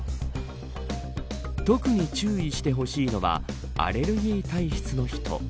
特に注意してほしいのはアレルギー体質の人。